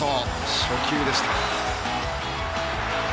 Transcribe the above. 初球でした。